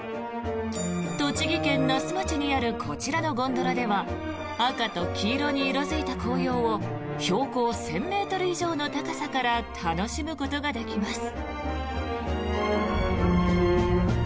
栃木県那須町にあるこちらのゴンドラでは赤と黄色に色付いた紅葉を標高１０００ｍ以上の高さから楽しむことができます。